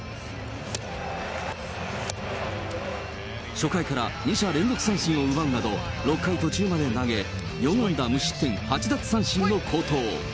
初回から２者連続三振を奪うなど、６回途中まで投げ、４安打無失点８奪三振の好投。